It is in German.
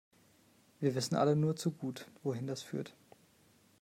Wir wissen alle nur zu gut, wohin das führt.